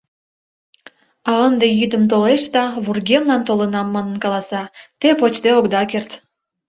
А ынде йӱдым толеш да, вургемлан толынам, манын каласа — те почде огыда керт.